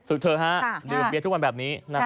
ศึกเถอะครับดื่มเบียร์ทุกวันแบบนี้